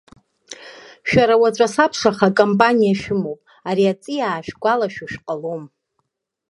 Шәара уаҵәы, асабшаха, акампаниа шәымоуп, ари аҵиаа шәгәалашәо шәҟалом.